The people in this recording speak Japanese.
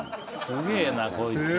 すげえなこいつ。